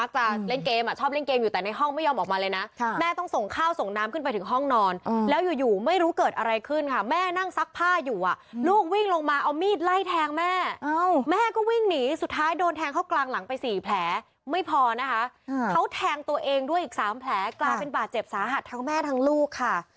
กลายเป็นบาดเจ็บสาหัสทั้งแม่ทั้งลูกค่ะ